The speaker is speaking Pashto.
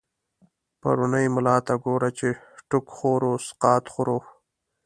پرونی ملا ته گوره، چی ټوک خورو سقاط خورو